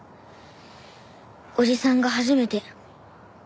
おじさんが初めて。